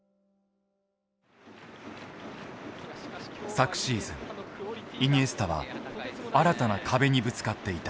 昨シーズンイニエスタは新たな壁にぶつかっていた。